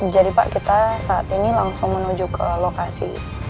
jadi pak kita saat ini langsung menuju ke lokasi